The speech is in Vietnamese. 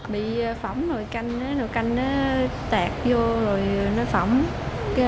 bị phỏng rồi canh nó tạt vô rồi nó phỏng